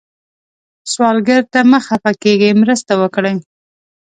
سوالګر ته مه خفه کېږئ، مرسته وکړئ